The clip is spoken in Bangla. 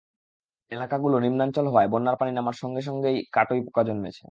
এলাকাগুলো নিম্নাঞ্চল হওয়ায় বন্যার পানি নামার সঙ্গে সঙ্গে কাটই পোকা জন্মেছে।